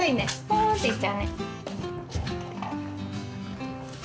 ポーンっていっちゃうね。